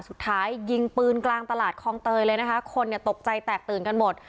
สุดท้ายยิงปืนกลางตลาดคลองเตยเลยนะคะคนเนี่ยตกใจแตกตื่นกันหมด